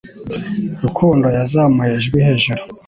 Rukundo yazamuye ijwi hejuru